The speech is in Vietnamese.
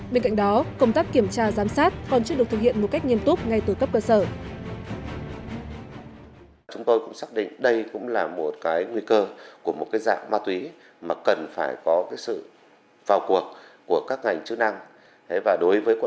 bên cạnh đó công tác kiểm tra giám sát còn chưa được thực hiện một cách nghiêm túc ngay từ cấp cơ sở